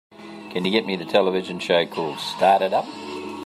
can you get me the television show called Start It Up?